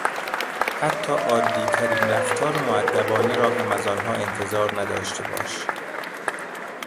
حتی عادیترین رفتار مودبانه را هم از آنها انتظار نداشته باش.